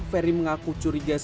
ferry mengaku curiga sejumlah